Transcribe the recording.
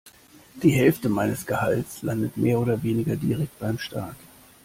Die Hälfte meines Gehalts landet mehr oder weniger direkt beim Staat.